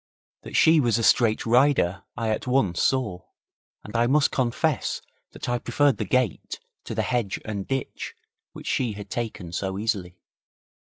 That she was a straight rider I at once saw, and I must confess that I preferred the gate to the hedge and ditch which she had taken so easily.